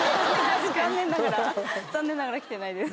残念ながら残念ながら来てないです